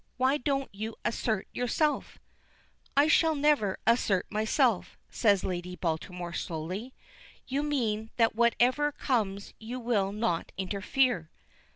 Why don't you assert yourself?" "I shall never assert myself," says Lady Baltimore slowly. "You mean that whatever comes you will not interfere."